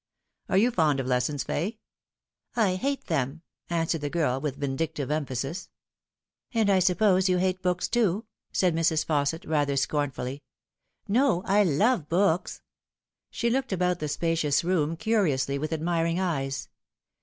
Are you fond of lessons, Fay ?"" I hate them," answered the girl, with vindictive emphasis. " And I suppose you hate books too ?" said Mrs. Fausset, rather scornfully. "No, I love books." She looked about the spacious room, curiously, with admir ing eyes.